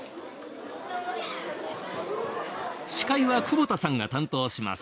司会は久保田さんが担当します。